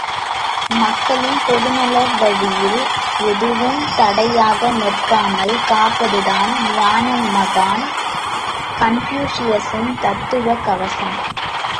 மக்களின் பொதுநல வழியில் எதுவும் தடையாக நிற்காமல் காப்பதுதான் ஞானமகான் கன்பூசியசின் தத்துவக் கவசம்.